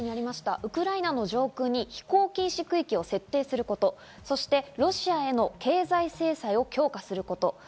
まずウクライナの上空に飛行禁止区域を設定すること、そしてロシアへの経済制裁を強化すること。